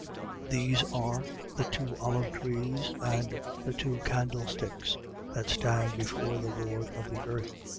These are the two olive trees and the two candlesticks that stand before the Lord of the earth.